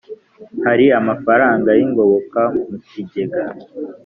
hari amafaranga y ingoboka mu kigega